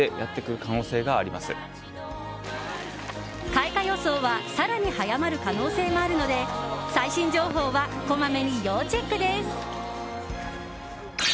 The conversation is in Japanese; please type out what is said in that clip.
開花予想は更に早まる可能性もあるので最新情報はこまめに要チェックです。